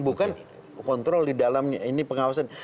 bukan kontrol di dalamnya ini pengawasan